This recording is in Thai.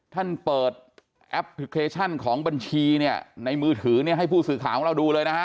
ท่านเปิดแอปพลิเคชันของบัญชีในมือถือให้ผู้สื่อข่าวของเราดูเลย